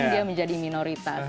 lalu dia menjadi minoritas